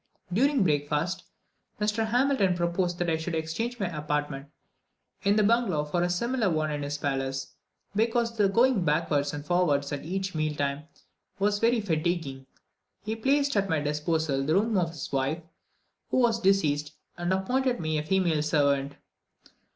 During breakfast, Mr. Hamilton proposed that I should exchange my apartments in the bungalow for a similar one in his palace, because the going backwards and forwards at each meal time was very fatiguing. He placed at my disposal the rooms of his wife, who was deceased, and appointed me a female servant.